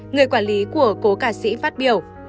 người quản lý của cô ca sĩ phát biểu